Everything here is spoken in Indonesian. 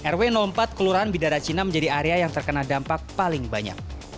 rw empat kelurahan bidara cina menjadi area yang terkena dampak paling banyak